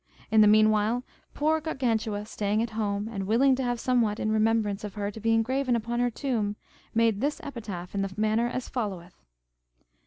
In the meanwhile, poor Gargantua staying at home, and willing to have somewhat in remembrance of her to be engraven upon her tomb, made this epitaph in the manner as followeth.